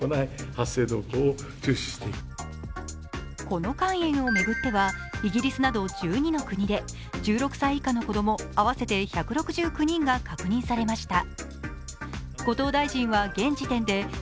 この肝炎を巡ってはイギリスなど１２の国で１６歳以下の子供合わせて１６９人が確認されました。